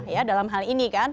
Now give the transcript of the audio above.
ya dalam hal ini kan